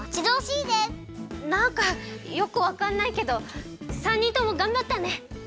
なんかよくわかんないけど３にんともがんばったね！